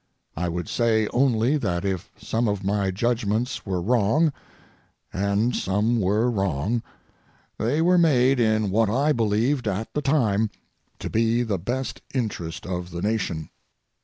I would say only that if some of my judgments were wrong, and some were wrong, they were made in what I believed at the time to be the best interest of the Nation.